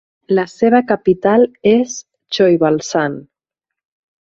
La seva capital és Choibalsan.